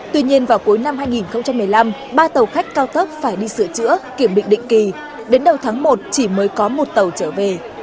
tuy nhiên vào cuối năm hai nghìn một mươi năm ba tàu khách cao tốc phải đi sửa chữa kiểm định định kỳ đến đầu tháng một chỉ mới có một tàu trở về